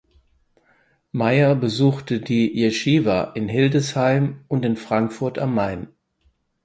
Meyer besuchte die Jeschiwa in Hildesheim und in Frankfurt am Main.